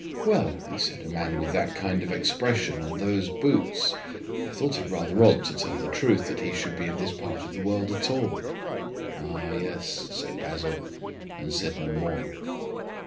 "Well," I said, "a man with that kind of expression and those boots. I thought it rather odd, to tell the truth, that he should be in this part of the world at all." "Ah, yes," said Basil, and said no more.